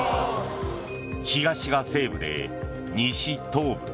「東が西武で西、東武」